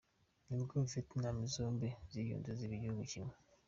Nibwo Vitenam zombi ziyunze ziba igihugu kimwe.